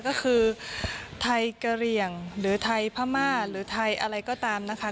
ก็คือไทยกระเหลี่ยงหรือไทยพม่าหรือไทยอะไรก็ตามนะคะ